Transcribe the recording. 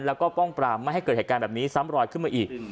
แล้วก็ป้องปรามไม่ให้เกิดเหตุการณ์แบบนี้ซ้ำรอยขึ้นมาอีก